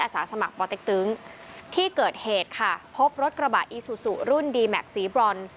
อาสาสมัครที่เกิดเหตุค่ะพบรถกระบะอีซูซูรุ่นสีบรอน